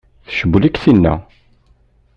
Tcewwel-ik tinna?